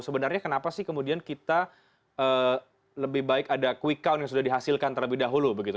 sebenarnya kenapa sih kemudian kita lebih baik ada quick count yang sudah dihasilkan terlebih dahulu begitu